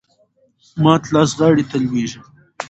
مات لاس غاړي ته لویږي .